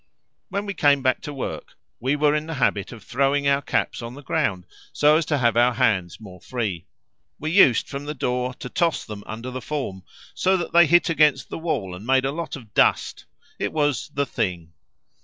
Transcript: When we came back to work, we were in the habit of throwing our caps on the ground so as to have our hands more free; we used from the door to toss them under the form, so that they hit against the wall and made a lot of dust: it was "the thing."